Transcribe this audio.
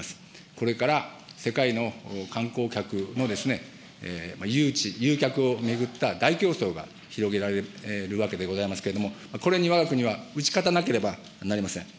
これから世界の観光客の誘致、誘客を巡った大競争が広げられるわけでありますけれども、これにわが国は打ち勝たなければなりません。